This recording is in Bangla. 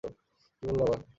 কী বললো আবার?